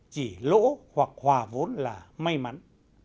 chỉ lỗ hoặc hòa vốn là may mắn